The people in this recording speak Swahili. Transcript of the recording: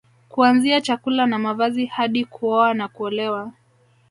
Kuanzia chakula na mavazi hadi kuoa au kuolewa